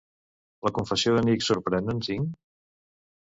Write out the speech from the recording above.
La confessió de Nick sorprèn en Sean?